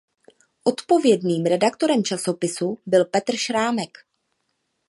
Odpovědným redaktorem časopisu byl Petr Šrámek.